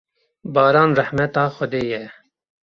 Baran rehmeta Xwedê ye.